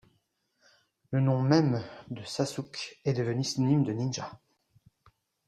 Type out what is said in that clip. Le nom même de Sasuke est devenu synonyme de ninja.